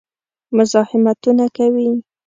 مزاحمتونه کوي.